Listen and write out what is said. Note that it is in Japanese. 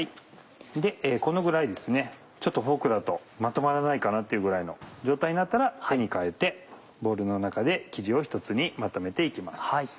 このぐらいちょっとフォークだとまとまらないかなっていうぐらいの状態になったら手に代えてボウルの中で生地を一つにまとめて行きます。